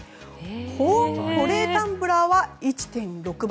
保温・保冷タンブラーは１．６倍。